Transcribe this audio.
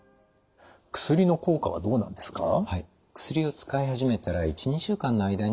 薬の効果はどうなんですか？